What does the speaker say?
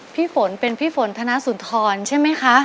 พี่ฝนเป็นพี่ฝนธนสุนทรใช่ไหมคะ